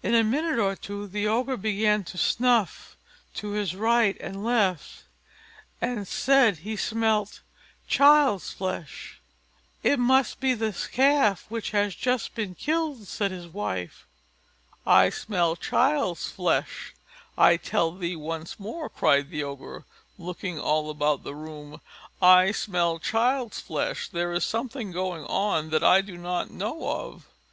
In a minute or two the Ogre began to snuff to his right and left, and said he smelt child's flesh. "It must be this calf which has just been killed," said his wife. "I smell child's flesh, I tell thee once more," cried the Ogre, looking all about the room; "I smell child's flesh; there is something going on that I do not know of."